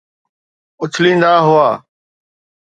اڇليندا هئا